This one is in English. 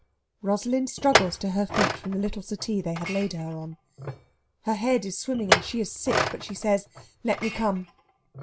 Rosalind struggles to her feet from the little settee they had laid her on. Her head is swimming, and she is sick, but she says: "Let me come!"